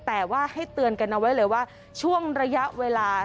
แต่ว่าให้เตือนกันเอาไว้เลยว่าช่วงระยะเวลา